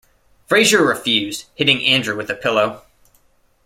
Fraser refused, hitting Andrew with a pillow.